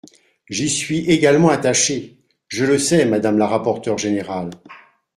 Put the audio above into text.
J’y suis également attachée ! Je le sais, madame la rapporteure générale.